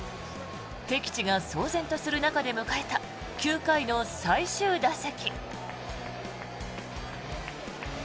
敵地が騒然とする中で迎えた９回の最終打席。